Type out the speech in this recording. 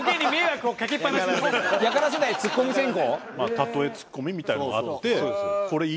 例えツッコミみたいのがあって。